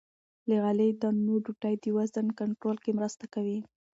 له غلې- دانو ډوډۍ د وزن کنټرول کې مرسته کوي.